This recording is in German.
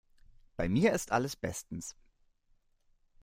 Bei mir ist alles bestens.